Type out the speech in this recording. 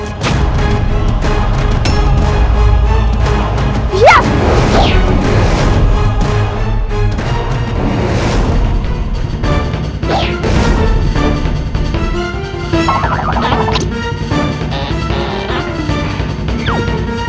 kita mulai dari sekarang